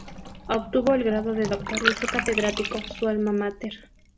Obtuvo el grado de doctor y fue catedrático su alma máter.